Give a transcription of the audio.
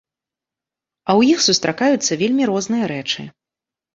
А ў іх сустракаюцца вельмі розныя рэчы.